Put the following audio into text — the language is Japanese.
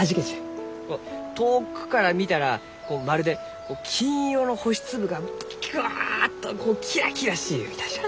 遠くから見たらまるで金色の星粒がぐわっとキラキラしゆうみたいじゃ。